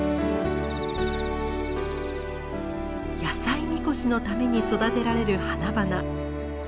野菜神輿のために育てられる花々。